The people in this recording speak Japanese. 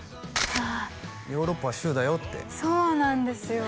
あ「ヨーロッパは州だよ」ってそうなんですよ